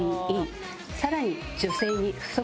さらに。